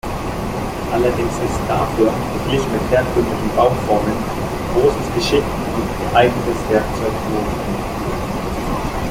Allerdings ist dafür, verglichen mit herkömmlichen Bauformen, großes Geschick und geeignetes Werkzeug notwendig.